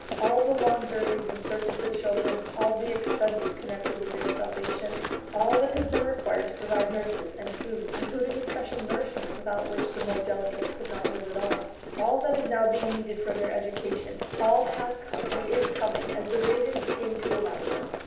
All the long journeys in search of the children, all the expenses connected with their salvation, all that has been required to provide nurses and food (including the special nourishment without which the more delicate could not live at all), all that is now being needed for their education all has come and is coming as the ravens came to Elijah.